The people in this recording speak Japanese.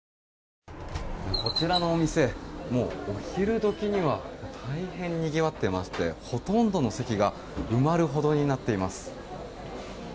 こちらのお店、もうお昼時には大変にぎわっていましてほとんどの席が埋まるほどになっています。